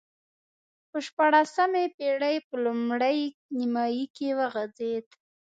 په شپاړسمې پېړۍ په لومړۍ نییمایي کې وغځېد.